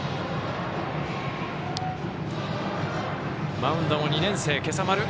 マウンドも２年生、今朝丸。